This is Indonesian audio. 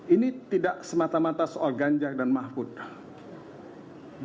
ini tidak semata mata soal ganjar dan mahfud